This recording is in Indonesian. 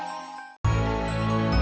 terus ensuite mengatakan misalamu